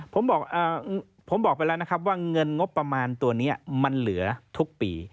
ผมบอกผมบอกไปแล้วนะครับว่าเงินงบประมาณตัวนี้มันเหลือทุกปี